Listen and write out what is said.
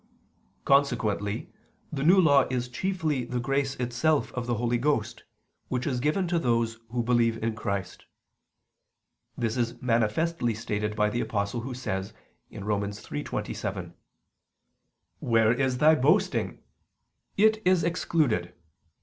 Consequently the New Law is chiefly the grace itself of the Holy Ghost, which is given to those who believe in Christ. This is manifestly stated by the Apostle who says (Rom. 3:27): "Where is ... thy boasting? It is excluded.